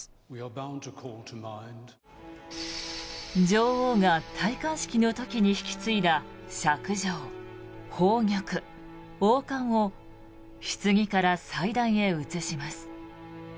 女王が戴冠式の時に引き継いだしゃく杖、宝玉、王冠をひつぎから祭壇へ移します。